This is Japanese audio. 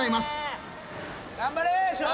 頑張れ！